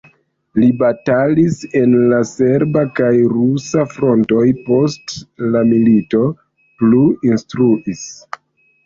Li batalis en la serba kaj rusa frontoj, post la milito plu instruis.